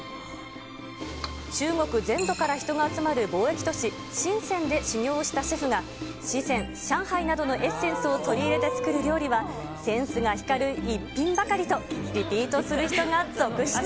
中国全土から人が集まる貿易都市、深センで修業をしたシェフが、四川、上海などのエッセンスを取り入れて作る料理は、センスが光る一品ばかりとリピートする人が続出。